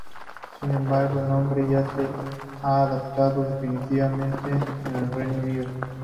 Sin embargo, el nombre ya se ha adoptado definitivamente en el Reino Unido.